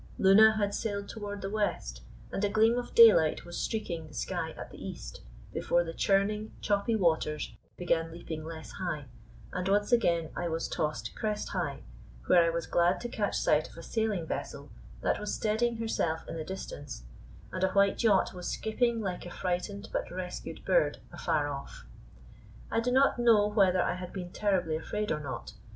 Luna had sailed toward the west, and a gleam of daylight was streaking the sky at the east, before the churning, choppy waters began leaping less high, and once again I was tossed crest high, where I was glad to catch sight of a sailing vessel that was steadying herself in the distance, and a white yacht was skipping like a frightened but rescued bird afar off. I do not know whether I had been terribly afraid or not.